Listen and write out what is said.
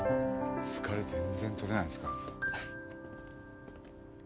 疲れ全然取れないですからね。